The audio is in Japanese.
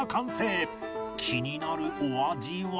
気になるお味は？